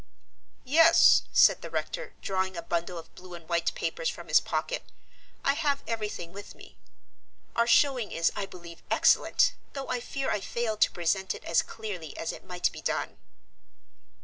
"Yes," said the rector, drawing a bundle of blue and white papers from his pocket. "I have everything with me. Our showing is, I believe, excellent, though I fear I fail to present it as clearly as it might be done."